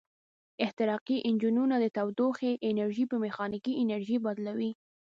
احتراقي انجنونه د تودوخې انرژي په میخانیکي انرژي بدلوي.